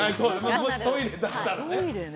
もしトイレだったらね